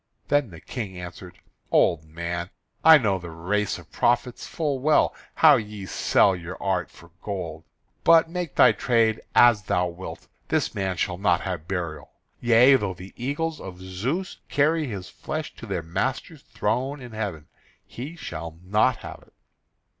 Then the King answered: "Old man, I know the race of prophets full well, how ye sell your art for gold. But, make thy trade as thou wilt, this man shall not have burial; yea, though the eagles of Zeus carry his flesh to their master's throne in heaven, he shall not have it."